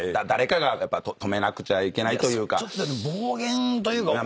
ちょっとでも暴言というか。